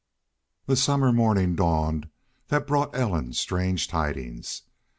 The summer morning dawned that brought Ellen strange tidings.